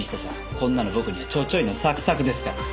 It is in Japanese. こんなの僕にはちょちょいのサクサクですから。